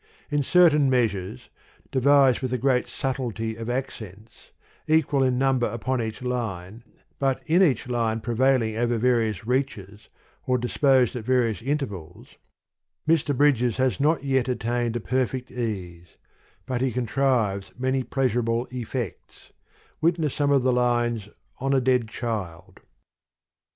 In certain measures, devised with a great subtilty of accents, equal in number upon each line, but in each line prevailing over various reaches, or disposed at various intervals, Mr. Bridges has not yet attained a perfect ease : but he contrives many pleasurable eifects : witness some of the lines On a Dead Child.